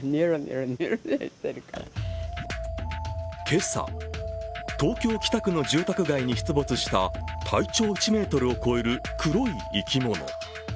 今朝、東京・北区の住宅街に出没した体長１ｍを超える黒い生き物。